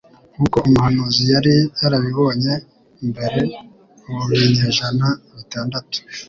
nkuko umuhanuzi yari yarabibonye mbere mu binyejana bitandatu